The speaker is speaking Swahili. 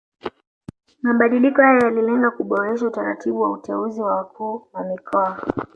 Mabadiliko haya yalilenga kuboresha utaratibu wa uteuzi wa wakuu wa mikoa